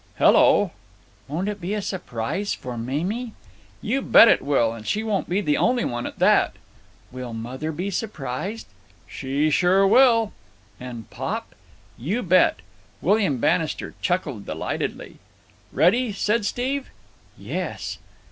"Hello?" "Won't it be a surprise for Mamie?" "You bet it will. And she won't be the only one, at that." "Will mother be surprised?" "She sure will." "And pop?" "You bet!" William Bannister chuckled delightedly. "Ready?" said Steve. "Yes."